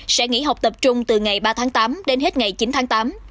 sẽ nghỉ học tập trung từ ngày ba tháng tám đến hết ngày chín tháng tám